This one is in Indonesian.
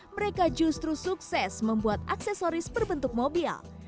mereka justru sukses membuat aksesoris berbentuk mobil